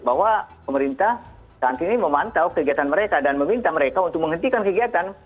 bahwa pemerintah saat ini memantau kegiatan mereka dan meminta mereka untuk menghentikan kegiatan